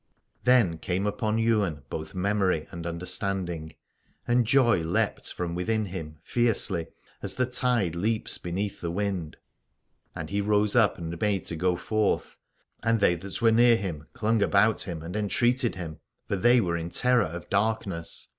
Then came upon Ywain both memory and understanding: and joy leapt from within him fiercely, as the tide leaps beneath the wind. And he rose up and made to go forth, and they that were near him clung about him and entreated him, for they were in terror of darkness.